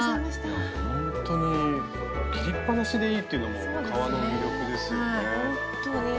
ほんとに切りっぱなしでいいっていうのも革の魅力ですよね。